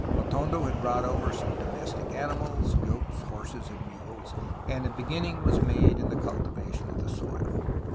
Atondo had brought over some domestic animals (goats, horses, and mules), and a beginning was made in the cultivation of the soil.